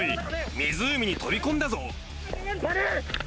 湖に飛び込んだぞ。